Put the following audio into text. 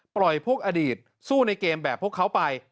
ปล่อยพวกอดีตสู้ในเกมแบบพวกเขาไป